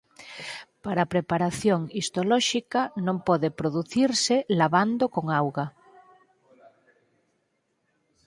Para a preparación histolóxica non pode producirse lavando con auga.